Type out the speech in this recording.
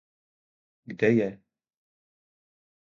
Kde je?